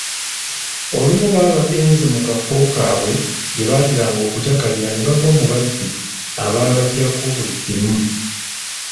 Olumu baba bagenze mu kafo kaabwe gye baateranga okukyakalira ne bagwa mu babbi abaabaggyako buli kimu.